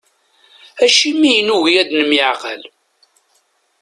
Acimi i nugi ad nemyeεqal?